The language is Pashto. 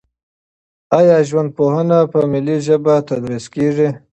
آیا ژوندپوهنه په ملي ژبه تدریس کیږي؟